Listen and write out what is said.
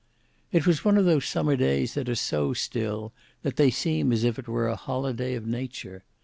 It was one of those summer days that are so still, that they seem as it were a holiday of nature.